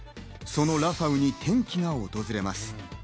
そのラファウに転機が訪れます。